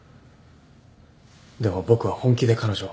でも僕は本気で彼女を。